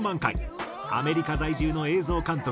アメリカ在住の映像監督